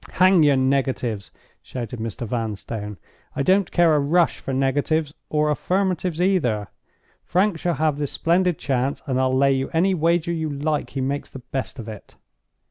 "Hang your negatives!" shouted Mr. Vanstone. "I don't care a rush for negatives, or affirmatives either. Frank shall have this splendid chance; and I'll lay you any wager you like he makes the best of it."